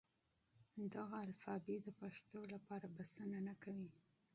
دغه الفبې د پښتو لپاره بسنه نه کوي.